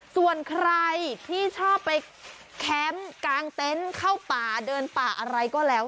ส่วนใครที่ชอบไปแคมป์กลางเต็นต์เข้าป่าเดินป่าอะไรก็แล้ว